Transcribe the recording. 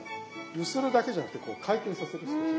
揺するだけじゃなくてこう回転させる少し。